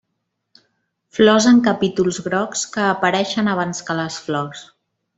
Flors en capítols grocs, que apareixen abans que les flors.